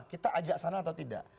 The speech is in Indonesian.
kita ajak sana atau tidak